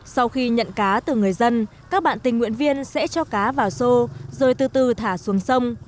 sau khi nhận cá từ người dân các bạn tình nguyện viên sẽ cho cá vào xô rồi từ từ thả xuống sông